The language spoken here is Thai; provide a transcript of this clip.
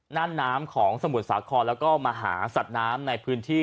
นั่นน้ำของสมุทรสาครแล้วก็มหาสัตว์น้ำในพื้นที่